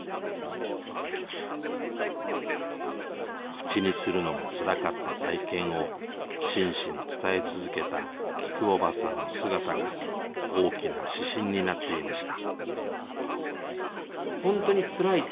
口にするのもつらかった体験を真摯に伝え続けたきくおばさんの姿が大きな指針になっていました。